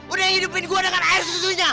udah hidupin gue dengan air susunya